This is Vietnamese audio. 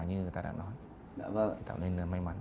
như người ta đã nói đã vâng